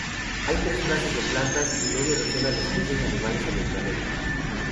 Hay tres clases de plantas y media docena de especies animales en el planeta.